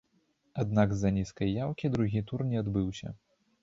Аднак з-за нізкай яўкі другі тур не адбыўся.